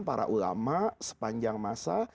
para ulama sepanjang masa